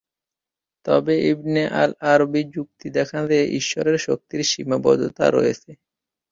তবে Ibn al Arabi যুক্তি দেখান যে ঈশ্বরের শক্তির সীমাবদ্ধতা রয়েছে।